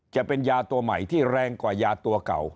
จะเป็นยาตัวใหม่ที่แรงกว่ายาตัวเก่า